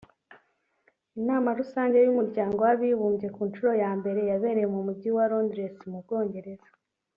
Inama rusange y’umuryango w’abibumbye ku nshuro ya mbere yabereye mu mujyi wa Londres mu bwongereza